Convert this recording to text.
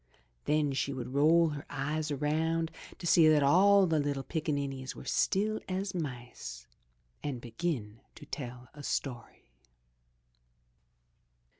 Then she would roll her eyes around to see that all the little pickaninnies were still as mice and begin to tell a story.